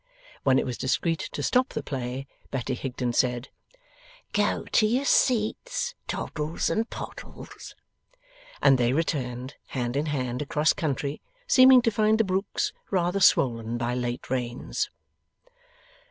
When it was discreet to stop the play, Betty Higden said 'Go to your seats Toddles and Poddles,' and they returned hand in hand across country, seeming to find the brooks rather swollen by late rains.